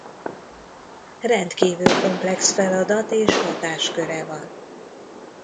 Rendkívül komplex feladat- és hatásköre van.